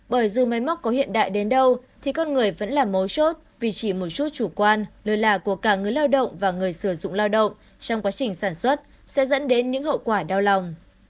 bởi dù máy móc có hiện đại đến đâu thì con người vẫn là mấu chốt vì chỉ một chút chủ quan lơ là của cả người lao động và người sử dụng lao động trong quá trình sản xuất sẽ dẫn đến những hậu quả đau lòng